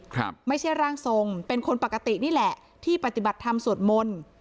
ครับไม่ใช่ร่างทรงเป็นคนปกตินี่แหละที่ปฏิบัติธรรมสวดมนต์